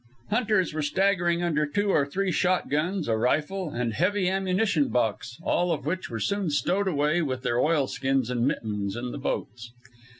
Hunters were staggering under two or three shotguns, a rifle and heavy ammunition box, all of which were soon stowed away with their oilskins and mittens in the boats.